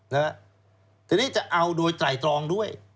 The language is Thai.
นะฮะทีนี้จะเอาโดยไตรตรองด้วย